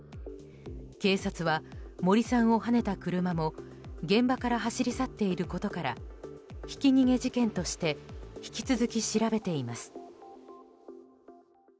警察は、森さんをはねた車も現場から走り去っていることからひき逃げ事件として引き続き調べています。